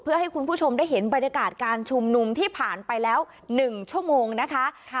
เพื่อให้คุณผู้ชมได้เห็นบรรยากาศการชุมนุมที่ผ่านไปแล้ว๑ชั่วโมงนะคะ